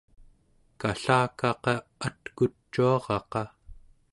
kallakaqa atkucuaraqa